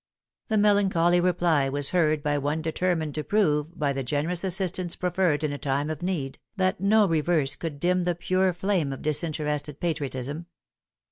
The melancholy reply was heard by one determined to prove, by the generous assistance proffered in a time of need, that no reverse could dim the pure flame of disinterested patriotism.